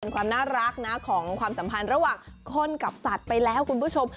ความน่ารักนะของความสัมพันธ์ระหว่างคนกับสัตว์ไปแล้วคุณผู้ชม